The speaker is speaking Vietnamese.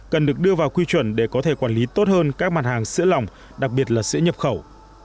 cần được đưa vào quy chuẩn để có thể quản lý tốt hơn các mặt hàng sữa lòng đặc biệt là sữa nhập khẩu